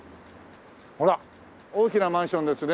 ほら大きなマンションですね。